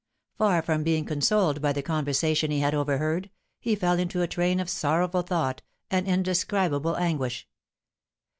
Far from being consoled by the conversation he had overheard, he fell into a train of sorrowful thought and indescribable anguish.